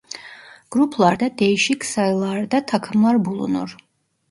Gruplarda değişik sayılarda takımlar bulunur.